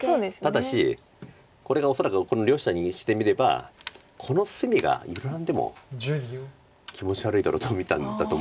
ただしこれが恐らくこの両者にしてみればこの隅がいくら何でも気持ち悪いだろうと見たんだと思うんです。